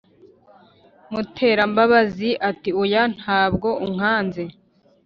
Muterambabazi ati"oya ntabwo unkanze"